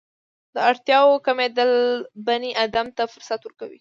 د اړتیاوو کمېدل بني ادم ته فرصت ورکوي.